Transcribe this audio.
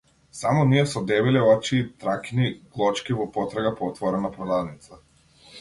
Само ние со дебели очи и траќни глочки во потрага по отворена продавница.